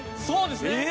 そうですね。